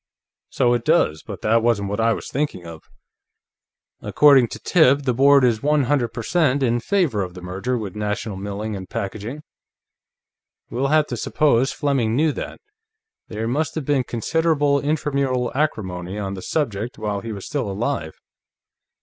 "So it does, but that wasn't what I was thinking of. According to Tip, the board is one hundred per cent in favor of the merger with National Milling & Packaging. We'll have to suppose Fleming knew that; there must have been considerable intramural acrimony on the subject while he was still alive.